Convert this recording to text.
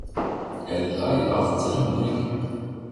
Ella är alltid hungrig.